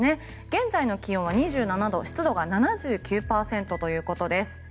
現在、気温は２７度湿度が７９％ということです。